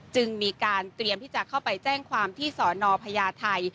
จึงมีการเตรียมที่จะเข้าไปแจ้งความที่สอนอพญาไทย